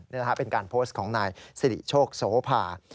นี่นะครับเป็นการโพสต์ของนายสิริโชคโสภา